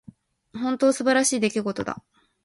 本当に素晴らしい出来事だ。